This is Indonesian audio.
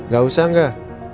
gak usah gak